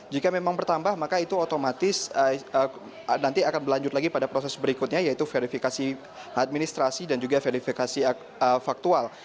jika memang bertambah maka itu otomatis nanti akan berlanjut lagi pada proses berikutnya yaitu verifikasi administrasi dan juga verifikasi faktual